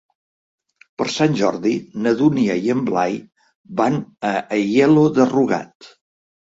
Per Sant Jordi na Dúnia i en Blai van a Aielo de Rugat.